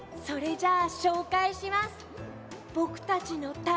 それじゃあ紹介します。